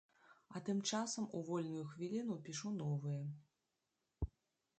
А тым часам у вольную хвіліну пішу новыя.